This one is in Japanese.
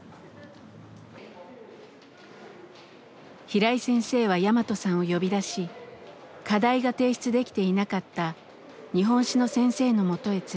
平井先生はヤマトさんを呼び出し課題が提出できていなかった日本史の先生のもとへ連れていきました。